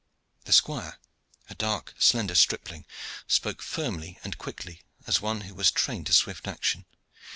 The squire, a dark, slender stripling, spoke firmly and quickly, as one who was trained to swift action.